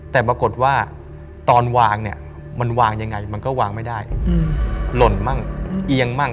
แต่ปรากฏว่าตอนวางเนี่ยมันวางยังไงมันก็วางไม่ได้หล่นมั่งเอียงมั่ง